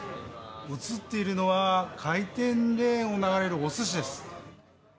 映っているのは回転レーンを流れるお寿司です。